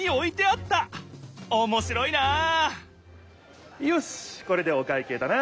おもしろいなよしっこれでお会計だな！